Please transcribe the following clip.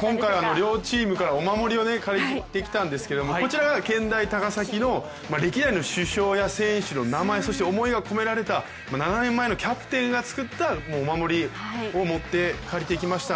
今回は両チームからお守りを借りてきたんですけどこちらが健大高崎の歴代の主将や選手の名前そして思いが込められた７年前のキャプテンがつくったお守りを借りてきました。